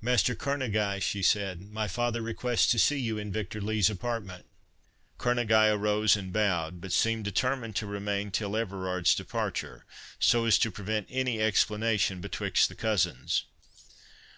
"Master Kerneguy," she said, "my father requests to see you in Victor Lee's apartment." Kerneguy arose and bowed, but seemed determined to remain till Everard's departure, so as to prevent any explanation betwixt the cousins.